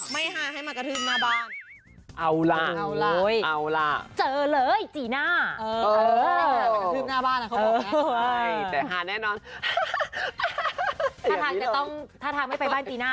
ไม่หาให้หมักกะทึบหน้าบ้าน